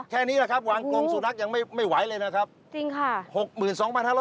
แค่นี้แหละครับวางกรงสุนัขยังไม่ไหวเลยนะครับจริงค่ะ